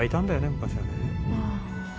昔はね」